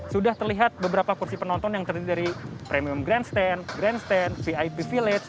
sudah terlihat beberapa kursi penonton yang terdiri dari premium grandstand grandstand vip village